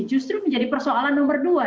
justru menjadi persoalan nomor dua